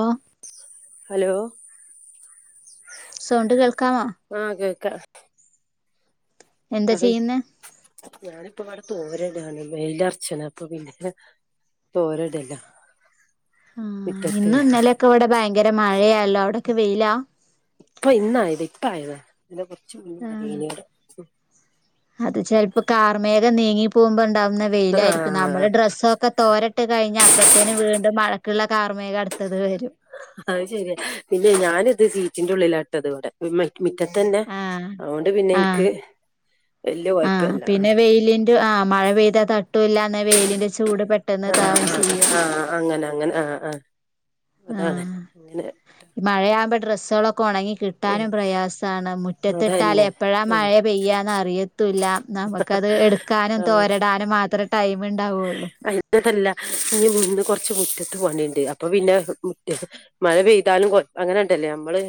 ഓ hello. Sound കേൾക്കാമോ? ക്കാം. എന്താ അതേ ചെയ്യുന്നെ ഞാനിപ്പൊ ഇവിടെ തോര ഇട്യാണ് വെയില് ഒർച്ചിന് അപ്പൊ പിന്നെ തോര ഇടലാ. ആ ഇന്ന് ഇന്നലെയൊക്കെ ഇവിടെ ഭയങ്കര മഴയാല്ലോ അവിടോക്കെ വെയിലാ. ഇപ്പ ഇന്ന് ആയത് ഇപ്പ ആയതാ ഇതിന് കുറച്ച് മുൻപ് ആഹ് മഴയാണ് ഇവിടെ. അത് ചേലപ്പോ കാർമേഘം നീങ്ങി പോകുമ്പോ ഇണ്ടാവു ന്നാ വെയിലായിയിരിക്കും ആഹ് നമ്മള് ഡ്രസ്സൊക്കെ തോരട്ട് കഴിഞ്ഞ അപ്പത്തേും വീണ്ടും മഴക്കുള്ള കാർമേഘം അടുത്തത് വരും അത് ശരിയ പിന്നെ ഞാനിത് സീറ്റിന്റെ ഉള്ളിലാ ഇട്ടത് ഇവിടെ. [unintelligible] മുറ്റത്തന്നെ അതുകൊണ്ട് പിന്നെ എനിക്ക്. വല്യ ആ കൊഴപ്പല്ല പിന്നെ ആഹ് വെയിലിന്റെ ആ മഴ പെയ്താ തട്ടും ഇല്ലാന്ന വെയിലിന്റെ ചൂട് പെട്ടെന്ന് താവും ചെയ്യും. ആഹ് ആഹ് അങ്ങനെ അങ്ങനെ ആഹ് ആഹ് അതാണ് ആഹ് അങ്ങനെ മഴയാവുമ്പോ ഡ്രസ്സ്‌ സളൊക്കെ ഉണങ്ങി കിട്ടാനും പ്രയാസമാണ് മുറ്റത്തിട്ടാ അതന്നെ എപ്പോഴാ ആഹ് മഴ പെയ്യാന്ന് അറിയ ല്ല നമുക്കത് എടുക്കാനും തോരടാനും മാത്രം അട്ടല്ല ഇനി മുണ്ട് കൊറച്ച്. മുറ്റത്ത് പണിയുണ്ട് അപ്പൊ പിന്നെ മുറ്റ മഴ പെയ്താലും കൊ അങ്ങനെ ഉണ്ടല്ലേ നമ്മള്.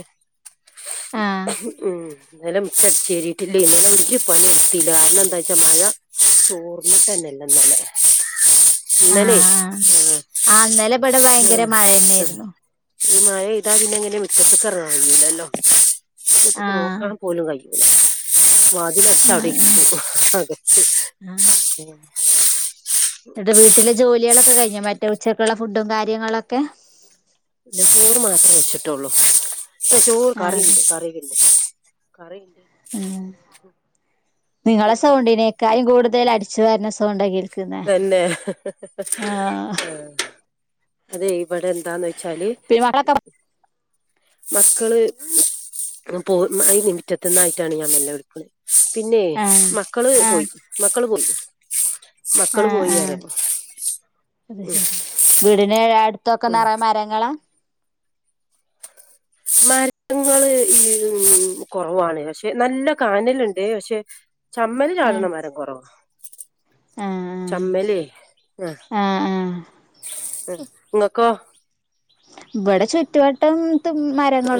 ആഹ് ഉം. ഇന്നലെ മുറ്റ അടിച്ച് വാരീട്ടില്ല ഇന്നലെ ഒരു പണി എടുത്തില്ല കാരണം എന്താ വച്ചാ മഴ ചോർന്നിട്ട് തന്നെ ഇല്ല ഇന്നലെ. ഇന്നലെ ആഹ് ആഹ് ആ ഇന്നലെ ഇവിടെ ഭയങ്കര മഴ തന്നെയായിരുന്നു. ഈ മഴ ഇതാ പിന്നെ എങ്ങനെ മുറ്റത്ത് ഇറങ്ങാ കഴിയില്ലല്ലോ മുറ്റത്തേക്ക് ആഹ് നോക്കാൻ പോലും കഴിയോ. വതില് അടച്ച് അവിടെ ആഹ് ആഹ് ഇരിക്കും അതേ. ആഹ് എന്നിട്ട് വീട്ടിലെ ജോലികളൊക്കെ കഴിഞ്ഞോ മറ്റേ ഉച്ചയ്ക്കുള്ള ഫുഡും കാര്യങ്ങളൊക്കെ. പിന്ന ചോറ് മാത്രേ വെച്ചിട്ടുള്ളൂ ഇ ചോറ് ആഹ് കറിണ്ട് കറിയോക്കെയ്ണ്ട്. കറി. നിങ്ങളെ എന്തെങ്കിലൊക്കെ സൗണ്ടി നേക്കായും കൂടുതൽ അടിച്ചു വാരുന്ന സൗണ്ട് കേക്കുന്നെ. തന്നെ ആഹ് ആ അതെ. ഇവിടെ എന്താന്ന് വെച്ചാല്. പിന്നെ മക്കളൊക്കെ മക്കള് പോ ഈ മിറ്റത്തിന്നായിട്ടാണ് ഞാൻ മെല്ലെ വിളിക്കുന്നത്. പിന്നെ ആഹ് മക്കള് ആഹ് പോയി മക്കള് പോയി. മക്കള് ആഹ് പോയി ആഹ് പറയാ അത് ശരി വീടിനടു ത്തൊക്കെ ഉം നേറെ മരങ്ങളാ? മരങ്ങള് ഈ ഉ കുറവാണ് പക്ഷെ നല്ല കാനലുണ്ട് പക്ഷെ. ചമ്മല് ആഹ് ചാടണ മരം കുറവാ. ആഹ് ചമ്മലെ ആഹ്. നിങ്ങക്കോ? ഇവിടെ ചുറ്റുവട്ടം.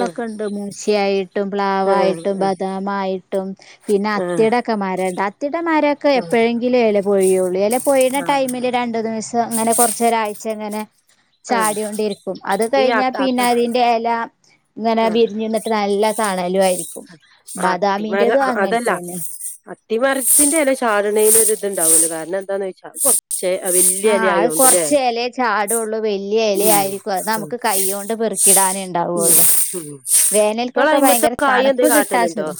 ആ ഉണ്ട് മുച്ചി യായിട്ടും ആ പ്ലാവായിട്ടും ബദാമായിട്ടും പിന്നെ അ ആ ആ ത്തിടെ ഒക്കെ മരയൂണ്ട് അത്തി കുത്തിട്ടടമാരൊക്കെ എപ്പോഴെങ്കിലും ഇല പൊഴുയുള്ളൂ ഇല പോയ്‌ണ ആ ടൈമില് രണ്ട് ദിവസ. അങ്ങനെ കൊറച്ച ഒരാഴ്ച അങ്ങനെ ആ ചാടിയോണ്ടിരി അത് ഈ ആ കഴിഞ്ഞാ ആ പിന്നെ അതിന്റെ എല ഇങ്ങനെ വിരിഞ്ഞു നിന്നിട്ട് നല്ല തണലുയി ആത്തിമാര അ അതല്ല തന്നെ അ [unintelligible] കുട്ടി മരത്തിന്റെ ഇല ചാടുന്നേന് ഒരു ഇതുണ്ടാവല്ലൂ കാരണം എന്താണന്ന് വെച്ചാൽ അത് കുറച്ച് ആഹ അത് കൊറച്ച് ഇലെ ചാടുള്ളൂ വല്ല്യ ഉം ഇലയായിരിക്കും അത് ഉം നമുക്ക് കൈയ്യോണ്ട് പേർ റക്കിടാന ഉം ഉണ്ടാവുള്ളൂ ഉം നിങ്ങള് വേനൽക്കൊക്കെ അയിമത്തെ ഭയങ്കര കായ എന്തേ തണുപ്പ് കിട്ടാത് കാട്ടലുണ്ടോ [unintelligible]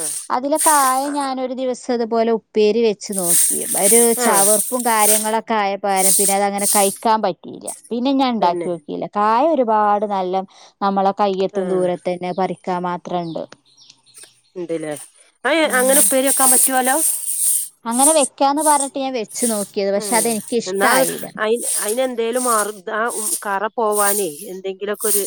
ആഹ് അതിലെ കായ ഞാനൊ ഒരു ദിവസം അതുപോലെ ഉപ്പേരി വെച്ച് നോക്കി ഒരു ആഹ് ചവർപ്പും കാര്യങ്ങളൊ [unintelligible] കായപ്പാരം പിന്നെ അത് അങ്ങനെ കഴിക്കാൻ പറ്റിയില്ല. പിന്നെ ഞാൻ ഉണ്ടാക്കി തന്നെ ഓക്കിയില്ല കായ ഒരുപാട് നല്ലം നമ്മളെ കയ്യത്തും ആഹ് ദൂരത്ത് തന്നെ പറിക്ക് ക്ക മാത്ര ഇണ്ട് ഉണ്ട്ല്ലേ അഹ് അങ്ങനെ ഉപ്പേരി വെക്കാൻ പറ്റോലോ അങ്ങനെ വെക്കാന്ന് പറഞ്ഞിട്ട് ഞാൻ വെ [unintelligible] ഹ് എന്നാ അയിന് അയിന് എന്തേലും മാറ [unintelligible] ഉം കറ പോവാനേ എന്തെങ്കിലൊക്കെ ഒരു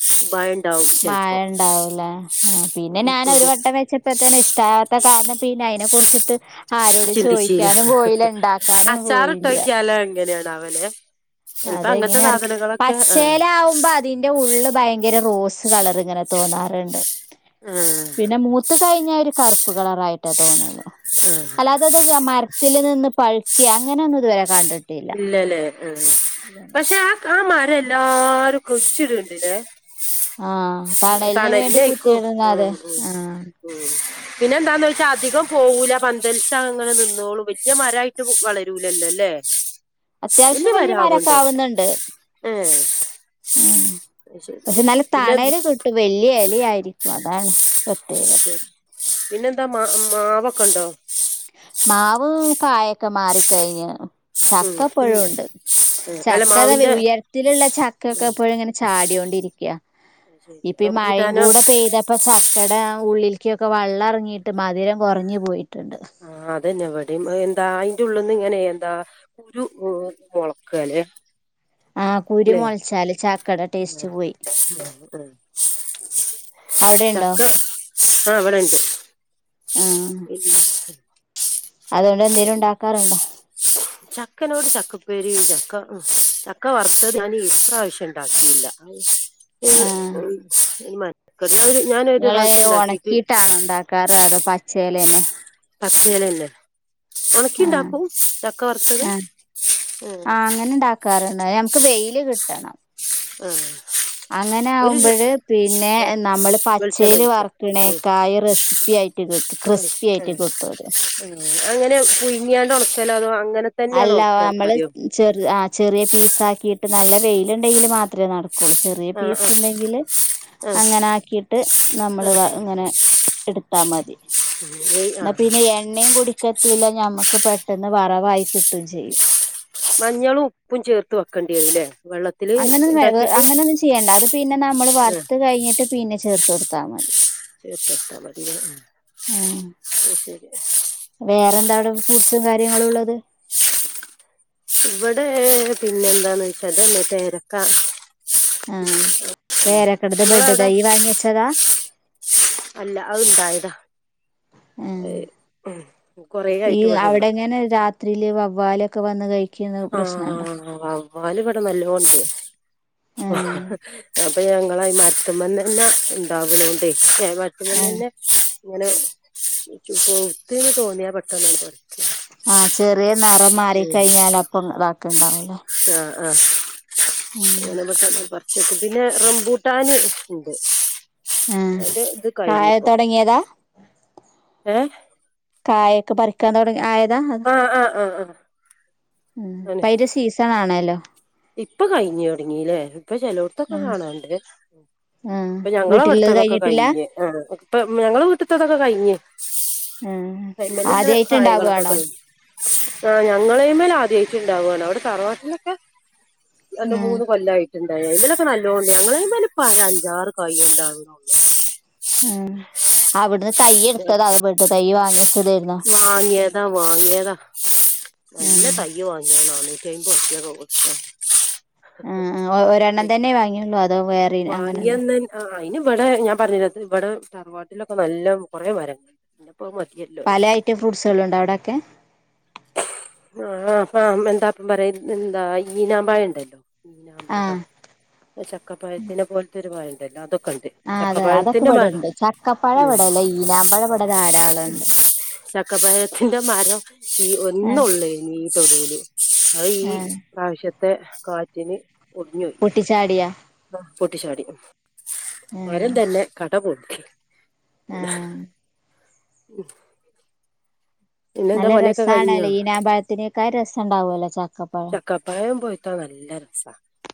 [unintelligible] മഴ ചെലപ്പോ ഉണ്ടാവൂല. ആ പിന്നെ ഞാൻ ഒരു വട്ടം വെച്ചപ്പോത്തേന്നെ ഇഷ്ടവാത്ത കാരണം പിന്നെ അയിനെ കുറിച്ചിട്ട് ആരോട് ചോയിക്കാനും പോയിലാ ണ്ടാക്ക അച്ചാർ ഇട്ടോക്കിയാലോ എങ്ങനെയാണാവൊലെ. അതെ എങ്ങനെ [unintelligible] പച്ചേല ആവുമ്പോ അതിന്റെ ഉള്ള് ഭയങ്കരം റോസ് കളർ ഇങ്ങനെ തോന്നാറുണ്ട്. ആഹ് പിന്നെ മൂത്ത് കഴിഞ്ഞ ഒരു കർ [unintelligible] കളർായിട്ട് തോന്നല് ആഹ് അല്ലാതത്തൊക്കെ മര് ത്തില് നിന്ന് പഴുക്കെ അങ്ങനൊന്നും ഇതുവരെ കണ്ടിട് ഇല്ല ല്ലേ [unintelligible] പക്ഷെ ആ [unintelligible] ആ മര എല്ലാരും കുയ്ച്ചിട്ണ്ട്ല്ലേ. ആ തണലിന് വേണ്ടി സനന്നെ യിക്കും കുത്തിയിടുന്ന അതെ ഉം ഉ ആ ഉം പിന്നെ എന്താന്ന് വെച്ചാ അധികം പോവൂല പന്തൽസ അങ്ങനെ നിന്നോളൂ വല്ല്യ മരായിട്ട് വളരൂലല്ലോല്ലേ. അത്യാവശ്യം എന്ന് വലിയ മരൊക്കെ വരാവുണ്ടോ. ആവുന്നുണ്ട് ഹേ അഹ് ശരി പിന്ന എല കിട്ടും വല്ല്യ എല ആയിരിക്കും അതാണ്. പ്രത്യേകത [inaudible] പിന്നെന്താ മാ മാവൊക്കെ ഉണ്ടോ മാവു കായൊക്കെ മാറി കഴിഞ്ഞിണ്, ചക്കപ്പോഴും ഉം ഉണ്ട്. അല്ല ചക്ക അത മാവിന്റെ ഉയരത്തിലുള്ള ചക്ക ഒക്കെ എപ്പോഴുംങ്ങനെ ചാടിയോണ്ടിരിക്കാ ശരി ഇപ്പ ഇ മഴയും റംബൂട്ടാനോ കൂടെ പെയ്തപ്പ ചക്കട ആ ഉള്ളിൽ ക്കിയൊക്കെ വള്ളറങ്ങിയിട്ട് മധുരം കുറഞ്ഞു പോയിട്ടുണ്ട്. അതെന്നെ ഇവിടേം എന്താ അയിന്റ ഉള്ള്ന്ന്ങ്ങനെ എന്താ കുരു മൊളക്ക, ല്ലെ ആഹ് കുരു മൊളച്ചാല് ച [unintelligible] അവിടെ ഉണ്ടോ ചക്ക ആഹ് ഇവിടെണ്ട് ആ അതുകൊണ്ട് എന്തേലും ഉണ്ടാക്കാറുണ്ടോ? ചക്കനോട് ചക്കൊപ്പേരി, ചക്ക ഉം ചക്ക വറുത്തത്, ഞാനി ഇപ്രാവശ്യം ഉണ്ടാക്കിയില്ല. ആ [unintelligible] നിങ്ങളെ പ്രാവശ്യം ഉണ്ടാക്കിട്ട് ഒണക്കിട്ടാണോ ഉണ്ടാക്കാറ്, അതോ പച്ചെലന്നെ പച്ചേലേന്നെ ഉണക്കി ഇണ്ടാക്കും ചക്ക വറുത്തത്. ആ ആ അങ്ങനെണ്ടാക്കാറുണ്ട് യമക്ക് വെയില് കിട്ടണം. ഉം അങ്ങനാവുമ്പഴ്‌ പിന്നെ ആ നമ്മള് പച്ചേല് വെളിച്ചെണ്ണയിൽ ഫുൾ ഉം വറുക്കണേക്കായി റെസി പ്പിയായിട്ട് കിട്ടു ക്രിസ്പി ആയിട്ട് കിട്ടോ അത് ഉം അങ്ങനെ പുയുങ്ങിയാണ്ടൊണക്കലോ അതോ അങ്ങനെ തന്നെയാണ്ട് അല്ല ആ ഒണക്കിയാ അമ്മള് മതിയോ ചെറ് ആ ചെറിയ പീസാക്കീട്ട് നല്ല വെയിലുണ്ടെങ്കില് മാത്രേ നട കുള് ചെറിയ ആഹ് പിസ് ആഹ് ഇണ്ടെങ്കില് ആഹ് അങ്ങനാക്കീട്ട് നമ്മള് ആഹ് വ ഇങ്ങനെ എടുത്താ മതി വെയ് ന്ന ആഹ് പിന്നെ എണ്ണേം കുടിട്ട് ട്ടില്ല ഞമ്മക്ക് പെട്ടെന്ന് വറവായി കിട്ടുവേം ചെയ്യും മഞ്ഞളും ഉപ്പും ചേർത്ത് വെക്കേണ്ടിവരൂല്ലേ? അങ്ങനൊന്നും വേവ് അങ്ങനൊന്നും ചെയ്യേണ്ട അത് പിന്നെ നമ്മള് ആഹ് വറുത്ത് കഴിഞ്ഞിട്ട് പിന്നെ ചേർ തൊടുത്താ മതി ചേർത്ത് കൊടുത്താൽ മതിയല്ലേ ആ ശെരി ശെരി ഫൂട്സും കാര്യങ്ങളും ഉള്ളത് ഇവിടേ പിന്നെന്താന്ന് വെച്ചാല് മറ്റേ ഏരക്ക ആ പേരക്കടുത്ത് ഇങ്ങളെ ബെഡ് അവിടെ തൈ വാങ്ങി വെച്ചതാ അല്ല അത്ണ്ടായതാ ആ കൊറേ ഈ ആയിട്ട് ഇവിടെള്ളതാ അവിടെങ്ങനെ രാത്രീല് വവ്വാലൊക്കെ വന്ന് കഴി ക്കന്നോ പ്രശ്നൊണ്ടോ? വാവ്വല് ഇവട നല്ലോണ്ട് അപ്പോ ആഹ് അപ്പൊ ഞ മ്പളായി മറ്റുമ്പം തന്ന ഇണ്ടാവലുണ്ടേ മറ്റുമ്പൻ ആഹ് തന്ന ഇങ്ങനെ കൊത്തന്ന് തോന്നിയാ പെട്ടെന്ന് പറി ആ ചെറിയ നെറം മാറി കഴിഞ്ഞാലപ്പൊ അത് അതാക്കണ്ടാവൊല്ലെ അ [inaudible] ചക്ക പിന്നെ റംബൂട്ടാന് ഉണ്ട് ആഹ് അതിന്റെ ഇത് കായ കഴിഞ്ഞിപ്പോ തൊടങ്ങിയതാ ഏഹ് കായൊക്കെ പറിക്കാൻ തൊടങ്ങി ആയ ആ മ്മ് ആഹ് ആഹ് ആഹ് ആഹ് ആണ് പയിന്റെ സീസാണാണല്ലോ ഇപ്പൊ കഴിഞ്ഞു തുടങ്ങീലെ ഇപ്പൊ ചെലോടത്തൊക്ക ഉം കാണാണ്ട് മ്മ് ആഹ് ഇപ്പൊ വീട്ടിലുള്ളത് ഞങ്ങളവിടുത്തതൊക്കെ കഴിഞ്ഞിട്ടില്ല കഴിഞ്ഞ് ആ ഇപ്പ ഞങ്ങള വീട്ടിത്തതൊക്കെ കഴിഞ്ഞ് ആഹ് കൈമലുള്ള ആദ്യായിട്ട് കായ്കളൊക്കെ ഇണ്ടാവാണോ കഴിഞ്ഞ് ആ ഞങ്ങളേ മേല് ആദ്യായിട്ടിണ്ടാവുവാണ് അവിടെ തറവാട്ടിലൊക്കെ അത് ആഹ് മൂന്ന് കൊല്ലായി ണ്ടായി ഇതിലൊക്കെ നല്ലോണ്ട് ഞങ്ങളേല്മേല് പ അഞ്ചാറ് തൈ ഉണ്ടാവുന്നൊ ഉം അവിടുന്ന് തയ്യ് എടുത്തതാ അവിടു തൈ വാ വാങ്ങിയതാ വാങ്ങിയതാ നല്ല ആഹ് തയ്യ് വാങ്ങിയ നാന് [unintelligible] ആ ആ ഒ ഒരെണ്ണം തന്നെ വാങ്ങിയുള്ളൂ അതോ വേ വാങ്ങിയെന്ത ആ അയ്നിവടെ ഞാൻ പറഞ്ഞര ത് ഇവടെ തറവാട്ടിലൊക്കെ നല്ല കൊറെ മരങ്ങ ഇപ്പ മതിയല്ലോ പല വരച്ച് ഐറ്റം ഫ്രൂട്ട്സുകളുണ്ടോ അവിടൊക്കെ ആ ആ എന്താ പറ എന്താ ഈനാമ്പായ ഉണ്ടല്ലോ ആഹ് ആ ചക്കപ്പായ [unintelligible] ആ അതെ അതൊക്കെ ചക്കപ്പഴത്തിന്റെ മരം ഇവിടെണ്ട് ചക്കപ്പഴ ഉം ഇവടല്ല ഈനാമ്പഴ ഇവടധാരാളണ്ട് ചക്കപ്പായത്തിന്റെ മരം ഈ ആഹ് ഒന്നള്ള ഇനി ഈ തൊഴല് അ ഈ ആഹ് പ്രാവശ്യത്തെ കാറ്റിന് ഒടിഞ്ഞുപോയി പൊട്ടിച്ചാടിയാ പൊട്ടിച്ചാടി മരം തന്നെ കട പോൊി ആഹ ഉ നല്ല രസമാണല്ലേ ഈനാമ്പഴത്തിനേക്കാെ രസം ഉണ്ടാവുവല്ലോ ച ചക്കപ്പഴം പൊയ്ത നല്ലരസ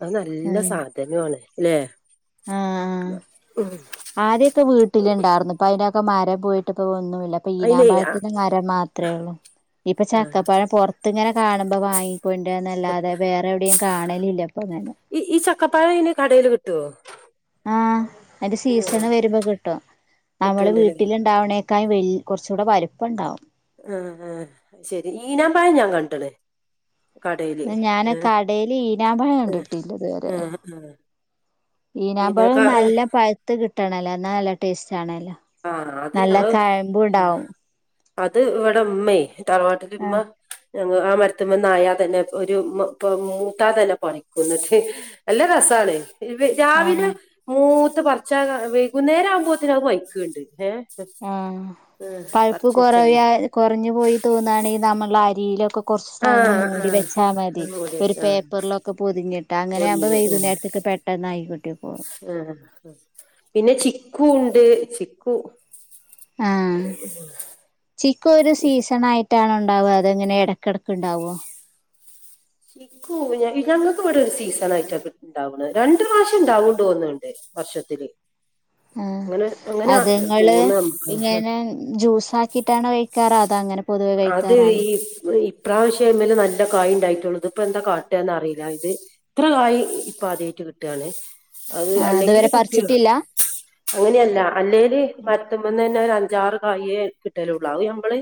അത്നല്ല സാധനാണ് ല്ലെ ആഹ ആ ആദ്യൊക്കെ വീട്ടിലുണ്ടായിർന്ന ഇപ്പ അതിനൊക്കെ മരം പോയിട്ട ഇപ്പ ഒന്നുമില്ല അപ്പൊ അയിനെ ആ ഈനാമ്പഴത്തിന്റെ മരം മാത്രേ ഉള്ളൂ ഇപ്പൊ ചക്കപ്പഴം പുറത്ത് ഇങ്ങനെ കാണുമ്പോ വാങ്ങിക്കൊണ്ടരന്നല്ലാതെ വേറെ എവിടിയിം കാണലില്ല ഇപ്പൊ അങ്ങനെ ഈ ഈ ചക്കപ്പായം ഇന് കടൽ കിട്ടുവോ ആ അത് സീസണ് വരുമ്പോ പൊട്ടും നമ്മള് കിട്ടണ്ടല്ലേ വീട്ടിലിണ്ടാവ നക്കായി വെയ് കൊർചൂടെ വലുപ്പണ്ടാവും ആ ആ ശെരി ഈനാമ്പയം ഞാൻ കണ്ട്ണ് ഞാന് കടേൽ ഈനാമ്പഴ ഏ കണ്ടിട്ടില്ല ഇത് വരേ ഏ ഏ ഈനകുമ്പോഴ പിന്നെ നല്ല പഴുത്ത് കിട്ടണല്ലോ എന്നാ നല്ല ടേസ്റ്റ് ആണല്ലോ ആഹ് അത് നല്ല അത് കഴമ്പ് ഉണ്ടാവും അത് ഇവിടെ ഉമ്മ തറ്നാട്ടില ഉമ്മ ഞ ആ മരത്തി്പ നായാ തന്നെ ഒരു മൂട്ടാ തന്നെ പൊിക്കട്ട നല്ല രസാണ് രാവിലെ ആഹ് മൂത്ത പറർച്ച വൈകുന്നേരം ആവുമ്പോത്തേന അത് വൈക്കുണ്ട് ഏ ആഹ പഴുപ്പ് കുറവ വെച്ചാല് കുറഞ്ഞു പോയി തോന്നയാണെങ്കിൽ നമ്മുടെ അരിയിലൊക്കെ കുറച്ച് ടൈമ് ആഹ് മൂടി ആഹ് വെച്ചാൽ മതി ഒരു പേപ്പറിലൊക്കെ പൊതിങ്ങിട്ട് അങ്ങനെ ആകുമ്പോൾ വൈകുന്നേരത്തൊക്കെ പെട്ടെന്ന്ായികൊട്ടിപ്പോും ആ പിന്നെ ചിക്കു ഉണ്ട് ചിക്കു ആഹ ചിക്കു ഒരു സീസൺ ആയിട്ട് ത്താണൊ ഉണ്ടാവ അതെങ്ങനെ ഇടക്കിടക്ക്ണ്ടാവോ ഇക്കൊന്നില്ല ഞങ്ങക്ക് ഇവിടെ ഒരു സീസൺ ആയിട്ടൊഇണ്ടാവണെ രണ്ട പ്രാവശ്യം ഇണ്ടാവുണ്ടോന്നണ്ട് വർഷത്തില് ആ അങ്ങനെ അങ്ങനെ അത്ങ്ങള് തോന്ന നമുക്ക് ഇങ്ങനെ ജ്യൂസ ആാക്കിട്ടാണ് കഴക്കാറ് അ അത് ഈ ഇപ്രാവശ്യംമായെ നല്ല കായ് ഉണ്ടായിട്ടുള്ളത് ഇപ്പ എന്താ കാട്ടന്ന് അറിയില്ല ഇത് ഇത്ര കായ് ഇപ്പ ആ ക്ക് കിട്ടാണ് അത് ആഹ് അല്ലെങ്കിൽ അതുവരെ കുട്ടികൾ പറിച്ചിട്ടില്ല അങ്ങനെയല്ല അല്ലേല് മത്തുമ്പെന്ന് തന്നെ ബഞ്ചാറ് കായേ കിട്ടലുള്ള അ നമ്മള്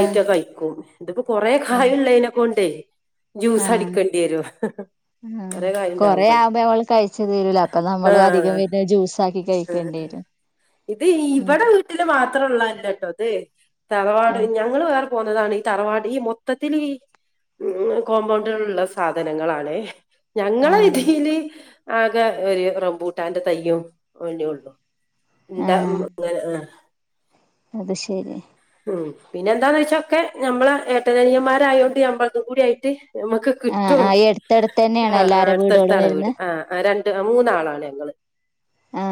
ആഹ് കഴിക്കും എതിപ്പോൊ കൊറെേ കായ ആഹ് ഉുള്ളതിനതിനെക്ക കൊണ്ടേ ജ്യൂസ് അടിക്കേണ്ടി വരുും ആ കൊറെ ആവുമ്പോ അവമ്മള് കഴിച്ച തരല അപ്പൊ നമ്മള് അധികം ആഹ് വര ജ്യൂസ ആാക്കി ആഹ് കഴിക്കേണ്ടി ആഹ് വരും ഇത് ഉം ഇവിടെ വീട്ടില് മാത്രംള്ളല്ല കേട്ടോ അതെ തലവാട് ആഹ് ഞങ്ങ ഞങൾ വേറെ പോന്നതാണ് ഈ തറവാട് ഈ മൊത്തത്തിൽ ഈ ഉ കോമ്പൗണ്ടിലുള്ള സാധനങ്ങളണ ഞങ്ങള ആഹ് വിതിൽ ആകെ ഒരു റംബൂട്ടാന്റെ തയ്യയും ഒേ ഉള്ളു എന്താ ആഹ് അങ്ങനെ ആഹ [unintelligible] അത് ശരി ഉം പിന്നെ എന്താന്ന് വെച്ചൊക്കെ ഞമ്മളെ ഏട്ടനനിയമാരയോണ്ട് ഞമ്മളക്കകൂടിആയിട്ട് ഞമക്ക് ആഹ് കിട്ടും ആഹ് ഈ അടുത്തടുത്ത് ആ തന്നെയാണോ എല്ലാരെ അടുത്തടുത്ത വീടുകളും ആണ് വീട് വരുന്നെ ആആ രണ്ട് മൂന്നാളാണ് ഞങ്ങള് ആ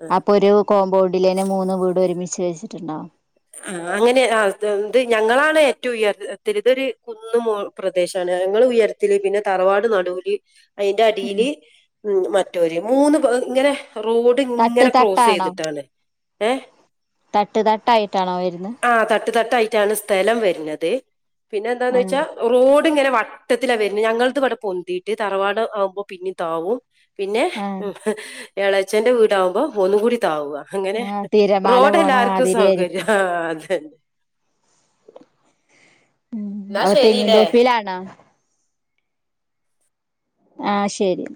ആഹ് അപ്പൊ ഒരു കോമ്പൗണ്ടിലേന്നെ മൂന്ന് വീട് ഒരുമിച്ച് വച്ചിട്ടുണ്ടാവും. ആ് അങ്ങനെ ഇത് ഞങ്ങളാണ് ഏറ്റവും ഉയർ തെരിതൊരു കുന്ന് മ പ്രദേശണ്. ഞങ്ങള് ഉയരത്തില് പിന്നെ തറവാട് നടുല് അതിന്റെ അടിയില് ഉ മറ്റൊര് മൂന്ന് ഇങ്ങനെ റോഡ് തട്ട് ഇങ്ങനെ ക്രോസ് തട്ടാണോ ചെയ്തിട്ടാണ് ഏ തട്ട് തട്ടായിട്ട് ആ തട്ട് തട്ടായിട്ടാണ് സ്ഥലം വരുന്നത് പിന്നെ എന്താന്ന് ആഹ് വെച്ചാ റോഡ അടെ ഇങ്ങനെ വട്ടത്തില വര്ന്ന ഞങ്ങ ഇവിടെ പൊന്തിട്ട് തറവാട ആകുമ്പോ പിന്നെ താകു പിന്നെ ആഹ് ഉ എളച്ചന്റെ വീടാകുമ്പോം ഒന്ന കൂടി താവ അങ്ങനെ ആഹ് തിരമാല റോഡ് പോണ എല്ലാവർക്കും മാതിരി സൗകര്യം ആയിരിക്കും ആഅതെ അതെ അപ്പോതെങ്ങിൻന്തോപ്പയിലാണോ? ആ ശരി